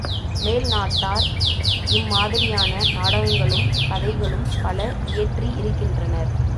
மேல்நாட்டார் இம் மாதிரியான நாடகங்களும் கதைகளும் பல இயற்றி இருக்கின்றனர்.